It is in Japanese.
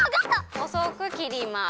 ほそく切ります。